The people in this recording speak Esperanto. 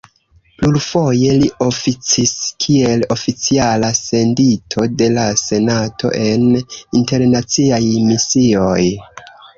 Plurfoje li oficis kiel oficiala sendito de la senato en internaciaj misioj.